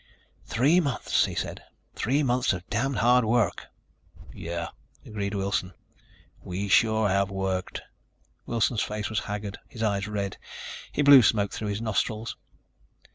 "Three months," he said. "Three months of damn hard work." "Yeah," agreed Wilson, "we sure have worked." Wilson's face was haggard, his eyes red. He blew smoke through his nostrils.